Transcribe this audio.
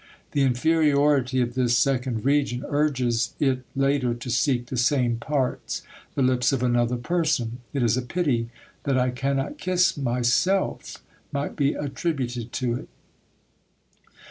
The inferiority of this second region urges it later to seek the same parts, the lips of another person. ("It is a pity that I cannot kiss myself," might be attributed to it.)